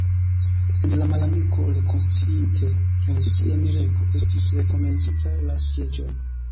Sed la malamiko, rekonsciinte el sia mirego, estis rekomencinta la sieĝon.